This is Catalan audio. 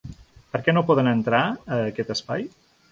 Perquè no poden entrar a aquest espai?